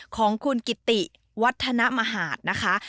ของคุณกิติวัฒนมหาดนะคะ